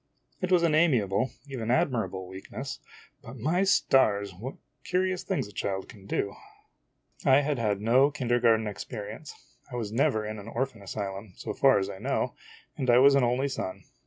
86 IMAGINOTIONS It was an amiable, even admirable, weakness but, my stars ! what curious things a child can do ! I had had no kindergarten experience. I was never in an or phan asylum, so far as I know, and I was an only son.